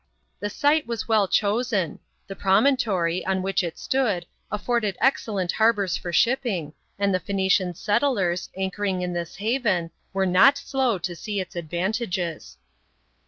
The site was well chosen. The promontory, on which it stood, afforded excellent harbours for shipping, and the Phoenician settlers, anchoring in this haven, were not slow to see its advantages.